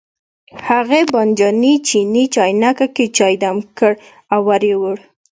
هغې بانجاني چیني چاینکه کې چای دم کړ او ور یې وړ.